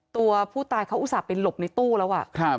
ตัวผู้ตายเขาอุตส่าห์ไปหลบในตู้แล้ว